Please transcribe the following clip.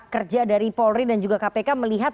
kerja dari polri dan juga kpk melihat